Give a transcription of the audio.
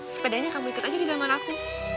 sepadanya kamu ikut aja di dalman aku